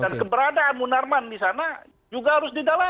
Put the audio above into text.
dan keberadaan munarman di sana juga harus didalami